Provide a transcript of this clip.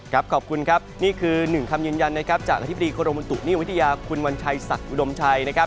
ขอบคุณครับนี่คือหนึ่งคำยืนยันนะครับจากอธิบดีกรมบุตุนิยมวิทยาคุณวัญชัยศักดิ์อุดมชัยนะครับ